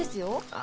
あ。